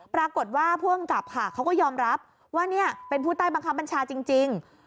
ปรากฏว่าผู้กำกับค่ะเขาก็ยอมรับว่าเนี่ยเป็นผู้ใต้บังคับบัญชาจริง